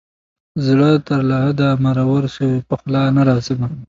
زړه تر لحده مرور سو پخلا نه راځمه